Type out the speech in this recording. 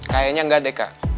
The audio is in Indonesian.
kayaknya enggak deh kak